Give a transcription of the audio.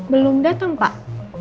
belum datang pak